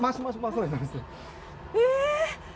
え！？